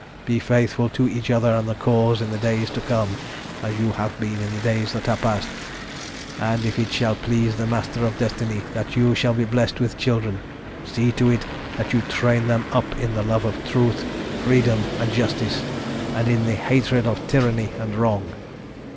Be faithful to each other and the Cause in the days to come as you have been in the days that are past, and if it shall please the Master of Destiny that you shall be blessed with children, see to it that you train them up in the love of truth, freedom, and justice, and in the hatred of tyranny and wrong.